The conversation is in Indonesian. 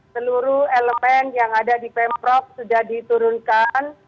seluruh elemen yang ada di pemprov sudah diturunkan